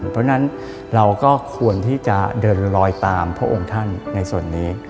เพราะฉะนั้นเราก็ควรที่จะเดินลอยตามพระองค์ท่านในส่วนนี้